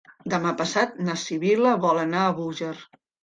Demà passat na Sibil·la vol anar a Búger.